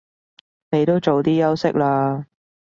你都早啲休息啦